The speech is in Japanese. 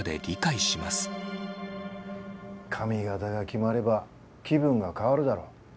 髪形が決まれば気分が変わるだろ。